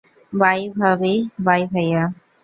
By ভাবি bye ভাইয়া।